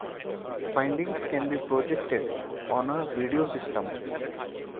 Findings can be projected on a videosystem.